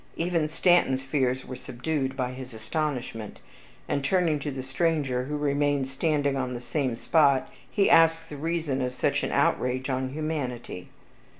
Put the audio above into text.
Even Stanton's fears were subdued by his astonishment, and, turning to the stranger, who remained standing on the same spot, he asked the reason of such an outrage on humanity.